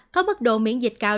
có mức độ miễn dịch cao